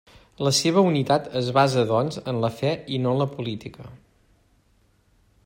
La seva unitat es basa doncs en la fe i no en la política.